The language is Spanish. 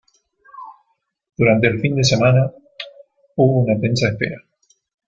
Durante el fin de semana, hubo una tensa espera.